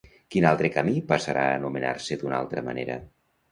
Quin altre camí passarà a anomenar-se d'una altra manera?